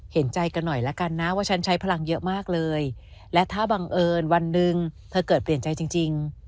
เห็นใจกันหน่อยละกันนะว่าฉันใช้พลังเยอะมากเลยและถ้าบังเอิญวันหนึ่งเธอเกิดเปลี่ยนใจจริง